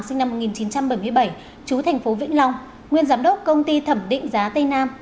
sinh năm một nghìn chín trăm bảy mươi bảy chú thành phố vĩnh long nguyên giám đốc công ty thẩm định giá tây nam